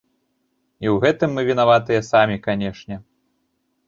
І ў гэтым мы вінаватыя самі, канешне.